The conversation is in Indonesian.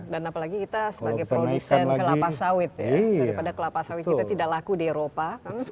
dan apalagi kita sebagai produsen kelapa sawit daripada kelapa sawit kita tidak laku di eropa